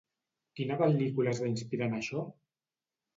Quina pel·lícula es va inspirar en això?